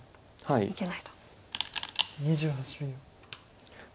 ２８秒。